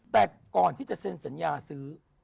แต่ก่อนที่จะเซ็นสัญญาซื้อ